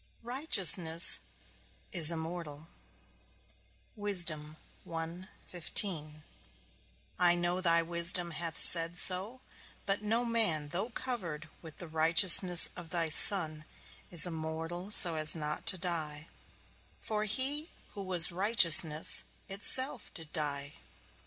Righteousness is immortal; I know thy wisdom hath said so; but no man, though covered with the righteousness of thy Son, is immortal so as not to die; for he who was righteousness itself did die.